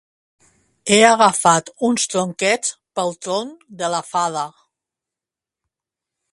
He agafat uns tronquets pel tron de la fada